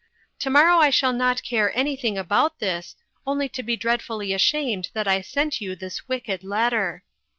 To morrow I shall not care anything about this, only to be dreadfully ashamed that I sent you this wicked letter.